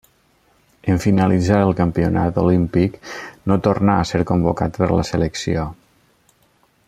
En finalitzar el campionat olímpic no tornà a ser convocat per la selecció.